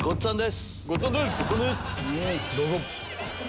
どうぞ。